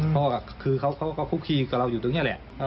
เพราะว่าคือเขาก็คุกคลีกับเราอยู่ตรงนี้แหละ